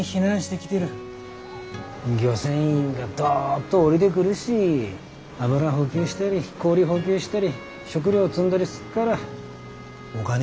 漁船員がドッと下りでくるし油補給したり氷補給したり食料積んだりすっからお金使ってくれっから。